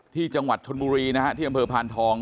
ที่จังหวัดชนบุรีนะฮะที่อำเภอพานทอง